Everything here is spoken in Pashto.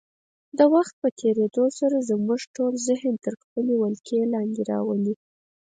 د وخت په تېرېدو سره زموږ ټول ذهن تر خپلې ولکې لاندې راولي.